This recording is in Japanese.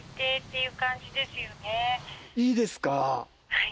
はい。